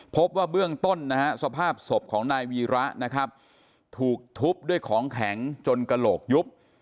พบว่าเบื้องต้นนะฮะสภาพศพของนายวีระนะครับถูกทุบด้วยของแข็งจนกระโหลกยุบ